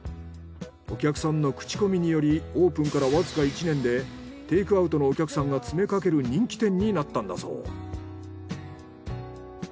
お客さんの口コミによりオープンからわずか１年でテークアウトのお客さんが詰めかける人気店になったんだそう。